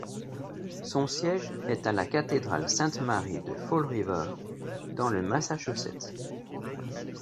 Son siège est à la cathédrale Sainte-Marie de Fall River, dans le Massachusetts.